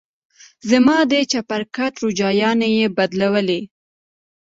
زما د چپرکټ روجايانې يې بدلولې.